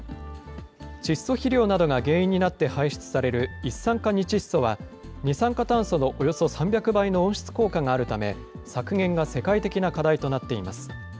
窒素肥料などが原因になって排出される一酸化二窒素は、二酸化炭素のおよそ３００倍の温室効果があるため、削減が世界的な課題となっています。